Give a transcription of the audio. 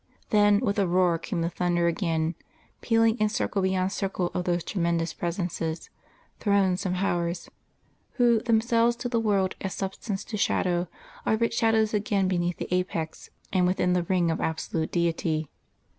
... Then, with a roar, came the thunder again, pealing in circle beyond circle of those tremendous Presences Thrones and Powers who, themselves to the world as substance to shadow, are but shadows again beneath the apex and within the ring of Absolute Deity....